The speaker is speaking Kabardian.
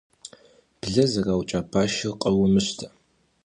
Блэ зэраукӏа башыр къыумыщтэ.